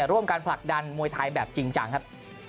ร่วมการผลักดันมวยไทยแบบจริงจังครับ